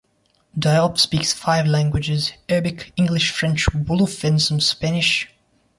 Diop speaks five languages: Arabic, English, French, Wolof and some Spanish.